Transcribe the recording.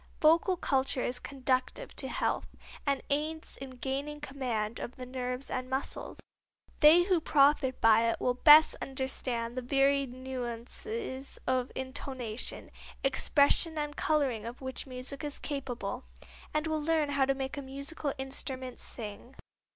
Vocal culture is conducive to health, and aids in gaining command of the nerves and muscles. They who profit by it will best understand the varied nuances of intonation, expression and coloring of which music is capable, and will learn how to make a musical instrument sing.